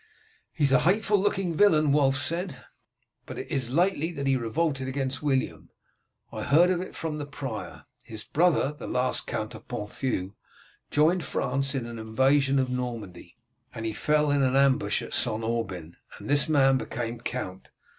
"He is a hateful looking villain," Wulf said. "It is but lately that he revolted against William. I heard of it from the prior. His brother, the last Count of Ponthieu, joined France in an invasion of Normandy. He fell in an ambush at St. Aubin, and this man became count.